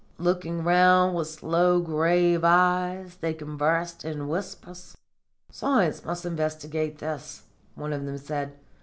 Looking round with slow, grave eyes, they conversed in whispers. 'Science must investigate this,' one of them said.